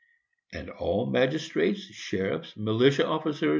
And all magistrates, sheriffs, militia officers, &c.